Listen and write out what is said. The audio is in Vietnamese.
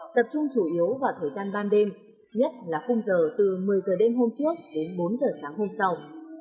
tập trung chủ yếu vào thời gian ban đêm nhất là khung giờ từ một mươi giờ đêm hôm trước đến bốn h sáng hôm sau